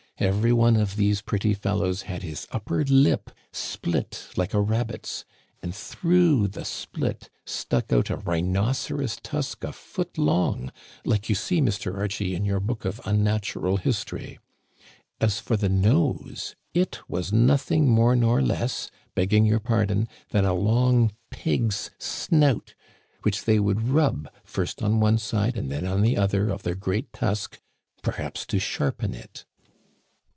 Every one of these pretty fellows had his upper lip split like a rabbit's, and through the split stuck out a rhinoceros tusk a foot long, like you see, Mr. Archie, in your book of unnatural history. As for the nose, it was nothing more nor less, begging your pardon, than a long pig's snout, which they would rub first on one side and then on the other of their great tusk, perhaps to sharpen it.